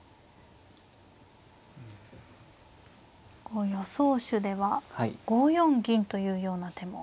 こう予想手では５四銀というような手も。